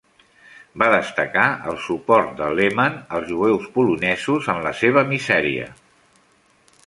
Va destacar el suport de Lehmann als jueus polonesos en la seva misèria.